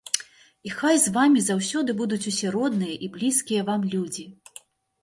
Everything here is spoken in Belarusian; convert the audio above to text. І хай з вамі заўсёды будуць усе родныя і блізкія вам людзі!